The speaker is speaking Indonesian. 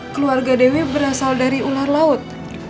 keluarga dewi berasal dari ular laut